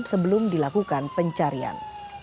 sebelum dilakukan pencarian